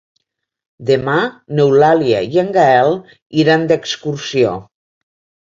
Demà n'Eulàlia i en Gaël iran d'excursió.